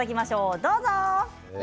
どうぞ。